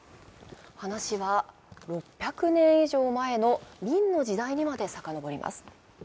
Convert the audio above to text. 話は６００年以上前の明の時代にまでさかのぼります。